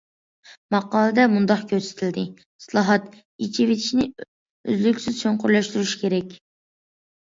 ماقالىدە مۇنداق كۆرسىتىلدى: ئىسلاھات، ئېچىۋېتىشنى ئۈزلۈكسىز چوڭقۇرلاشتۇرۇش كېرەك.